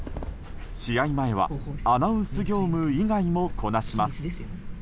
試合前は、アナウンス業務以外もこなします。